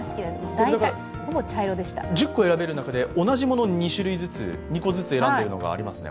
１０個選べる中で、同じものを２種類ずつ選んでいるのもありますね。